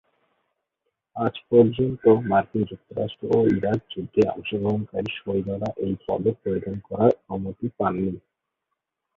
আজ পর্যন্ত মার্কিন যুক্তরাষ্ট্র ও ইরাক যুদ্ধে অংশগ্রহণকারী সৈন্যরা এই পদক পরিধান করার অনুমতি পাননি।